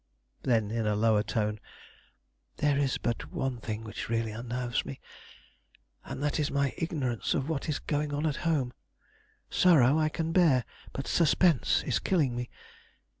Then, in a lower tone: "There is but one thing which really unnerves me; and that is my ignorance of what is going on at home. Sorrow I can bear, but suspense is killing me.